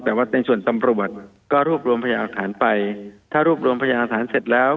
แบบว่าในส่วนตำรวจก็รูปรวมพยาอาสารไปถ้ารูปรวมพยาอาสารเสร็จแล้ว